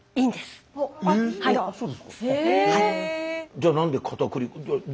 じゃなんでかたくり粉。